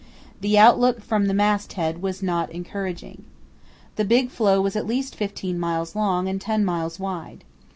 The outlook from the mast head was not encouraging. The big floe was at least 15 miles long and 10 miles wide.